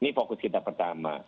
ini fokus kita pertama